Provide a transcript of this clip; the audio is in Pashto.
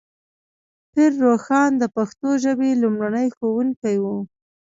پیر روښان د پښتو ژبې لومړنی ښوونکی و.